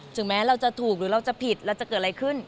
แม้เราจะถูกหรือเราจะผิดเราจะเกิดอะไรขึ้น